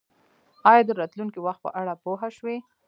ایا د راتلونکي وخت په اړه پوه شوئ؟